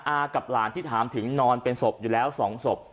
อากับหลานที่ถามถึงนอนเป็นศพอยู่แล้ว๒ศพ